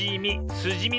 すじみね。